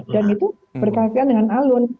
itu berkaitan dengan alun